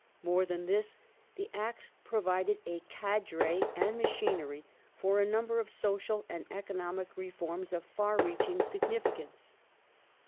More than this : the Acts provided a cadre and machinery for a number of social and economic reforms of far reaching significance.